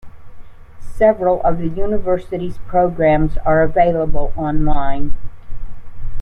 Several of the university's programs are available online.